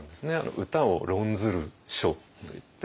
「歌を論ずる書」といって。